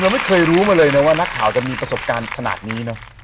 ไม่เคยรู้มาเลยนะว่านักข่าวจะมีประสบการณ์ขนาดนี้เนอะ